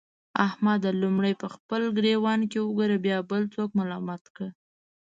احمده! لومړی په خپل ګرېوان کې وګوره؛ بيا بل څوک ملامت کړه.